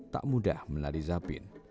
tak mudah menari zapin